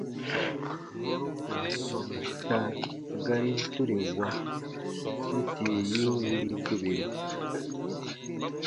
Sa garin tore wa, n tie yin wii goberu.